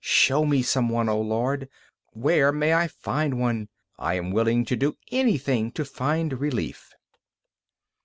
Show me some one! O Lord! where may I find one? I am willing to do anything to find relief."